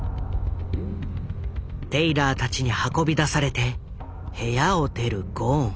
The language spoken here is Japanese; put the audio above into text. テイラーたちに運び出されて部屋を出るゴーン。